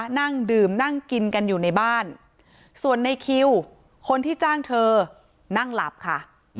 นั่งดื่มนั่งกินกันอยู่ในบ้านส่วนในคิวคนที่จ้างเธอนั่งหลับค่ะ